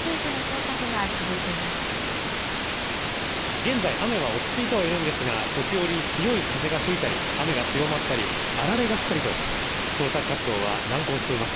現在雨は落ち着いてはいるんですが時折、強い風が吹いたり雨が強まったりあられが降ったりと捜索活動は難航しています。